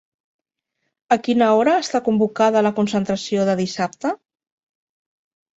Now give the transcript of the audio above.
A quina hora està convocada la concentració de dissabte?